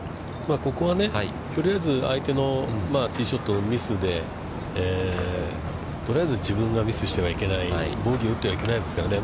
ここはとりあえず相手のティーショットをミスで、とりあえず自分がミスしてはいけない、ボギーを打ってはいけないですからね。